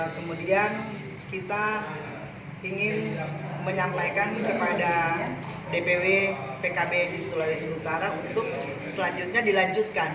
kemudian kita ingin menyampaikan kepada dpw pkb di sulawesi utara untuk selanjutnya dilanjutkan